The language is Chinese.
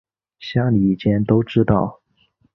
乡里间都知道